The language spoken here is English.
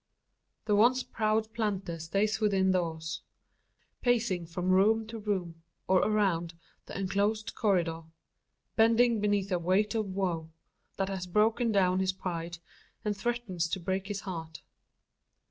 The once proud planter stays within doors pacing from room to room, or around, the enclosed corridor bending beneath a weight of woe, that has broken down his pride, and threatens to break his heart.